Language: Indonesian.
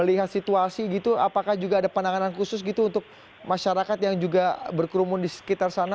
melihat situasi gitu apakah juga ada penanganan khusus gitu untuk masyarakat yang juga berkerumun di sekitar sana